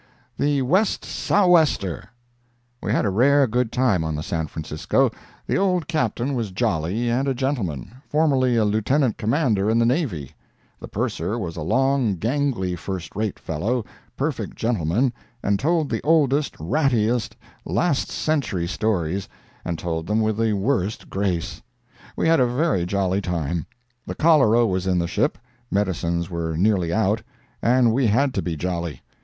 THE "WEST SOU' WESTER" We had a rare good time on the San Francisco. The old Captain was jolly, and a gentleman—formerly a Lieutenant Commander in the navy. The Purser was a long, gangly, first rate fellow—perfect gentleman—and told the oldest, rattiest, last century stories, and told them with the worst grace! We had a very jolly time. The cholera was in the ship, medicines were nearly out, and we had to be jolly.